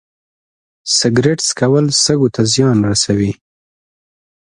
سګرټ څکول سږو ته زیان رسوي.